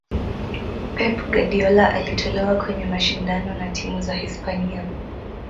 pep guardiola alitolewa kwenye mashindano na timu za hispania